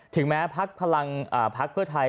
ถึงแม้ภักษ์เพื่อไทย